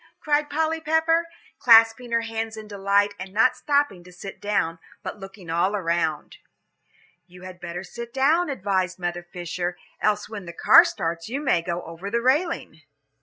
cried Polly Pepper, clasping her hands in delight, and not stopping to sit down, but looking all around. "You had better sit down," advised Mother Fisher, "else when the car starts you may go over the railing."